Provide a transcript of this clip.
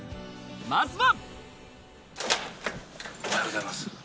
まずは。